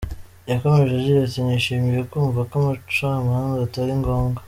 Yakomeje agira ati “ Nishimiye kumva ko umucamanza atari ngombwa.